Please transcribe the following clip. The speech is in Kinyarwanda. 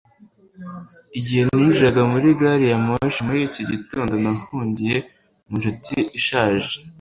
Igihe ninjiraga muri gari ya moshi muri iki gitondo, nahungiye mu nshuti ishaje.